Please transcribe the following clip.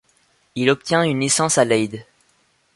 Il obtient une licence à Leyde.